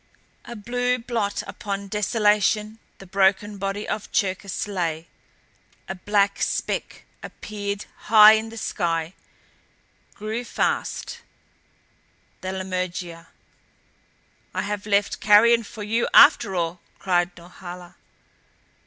A blue blot upon desolation the broken body of Cherkis lay. A black speck appeared high in the sky; grew fast the lammergeier. "I have left carrion for you after all!" cried Norhala.